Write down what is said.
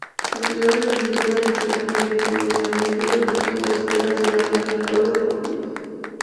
Estudió la licenciatura en Entrenamiento deportivo en la Escuela Nacional de Entrenadores deportivos.